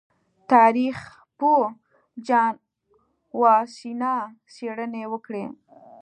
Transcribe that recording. تاریخ پوه جان واسینا څېړنې وکړې.